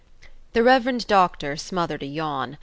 The Rev. Doctor smothered a yawn.